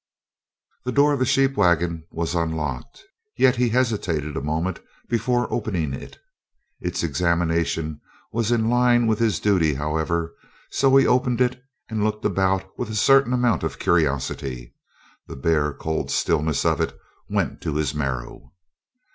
The door of the sheep wagon was unlocked, yet he hesitated a moment before opening it. Its examination was in line with his duty, however, so he opened it and looked about with a certain amount of curiosity. The bare, cold stillness of it went to his marrow.